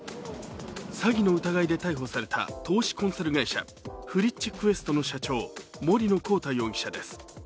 詐欺の疑いで逮捕された投資コンサル会社、ＦＲｉｃｈＱｕｅｓｔの社長、森野広太容疑者です。